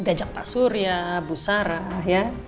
diajak pak surya bu sarah ya